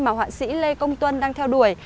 mà hoạn sĩ lê công tuân đang theo đuổi